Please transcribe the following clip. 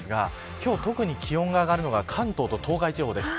今日、特に気温が上がるのが関東と東海地方です。